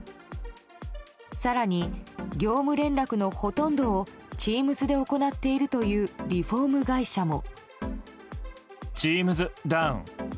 更に、業務連絡のほとんどをＴｅａｍｓで行っているというリフォーム会社も。